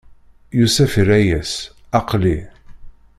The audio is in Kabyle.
Yusef irra-yas: Aql-i!